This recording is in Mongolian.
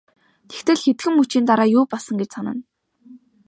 Тэгтэл хэдхэн мөчийн дараа юу болсон гэж санана.